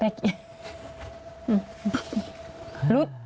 ไปกินน้ำ